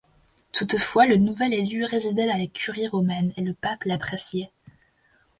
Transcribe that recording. Toutefois le nouvel élu résidait à la Curie romaine et le pape l'appréciait.